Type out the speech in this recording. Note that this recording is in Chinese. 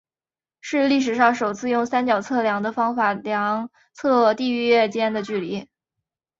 是历史上首次用三角测量的方法量测地月间的距离。